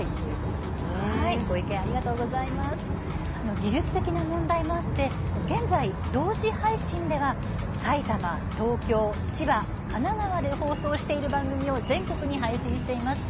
技術的な問題もあって現在、同時配信では埼玉、東京、千葉、神奈川で放送している番組を全国に配信しています。